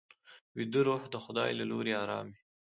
ویده روح د خدای له لوري ارام وي